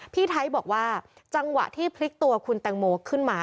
พี่ไทยบอกว่าจังหวะที่พลิกตัวคุณแตงโมขึ้นมา